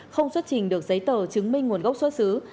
không xuất trình được giấy tờ chứng minh nguồn gốc xuất xứ